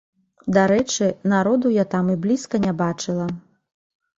Дарэчы, народу я там і блізка не бачыла.